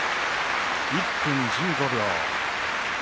１分１５秒。